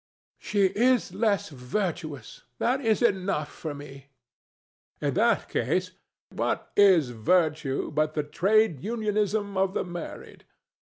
ANA. She is less virtuous: that is enough for me. DON JUAN. In that case, what is virtue but the Trade Unionism of the married?